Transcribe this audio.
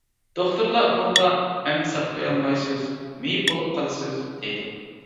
دوختۇرلار ئۇنىڭغا «ئەمدى ساقىيالمايسىز، مېيىپ بولۇپ قالىسىز» دەيدۇ.